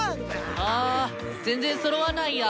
あー全然そろわないや。